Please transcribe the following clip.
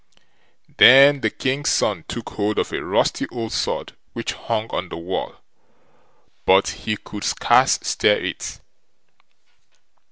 Then the King's son took hold of a rusty old sword which hung on the wall, but he could scarce stir it.